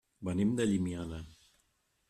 Venim de Llimiana.